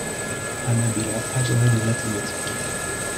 Annabella adorait les mathématiques.